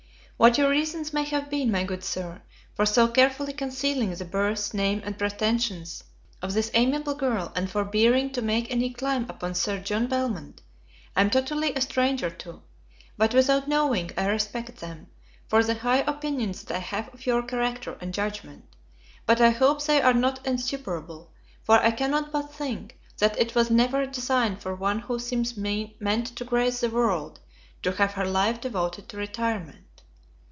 What your reasons may have been, my good Sir, for so carefully concealing the birth, name, and pretensions of this amiable girl, and forbearing to make any claim upon Sir John Belmont, I am totally a stranger to; but, without knowing, I respect them, from the high opinion that I have of your character and judgment: but I hope they are not insuperable; for I cannot but think, that it was never designed for one who seems meant to grace the world, to have her life devoted to retirement.